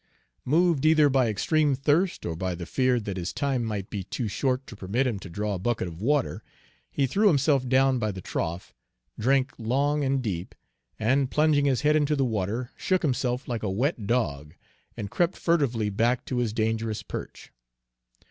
Moved either by extreme thirst or by the fear that his time might be too short to permit him to draw a bucket of water, he threw himself down by the trough, drank long and deep, and plunging his head into the water, shook himself like a wet dog, and crept furtively back to his dangerous perch.